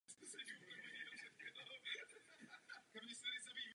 Jednotku používají hlavně španělské železnice.